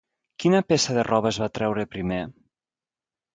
Quina peça de roba es va treure primer?